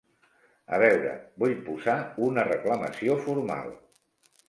A veure vull posar una reclamació formal.